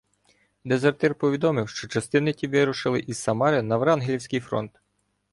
"Дезертир" повідомив, що частини ті вирушили із Самари на врангелівський фронт.